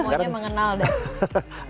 semuanya mengenal deh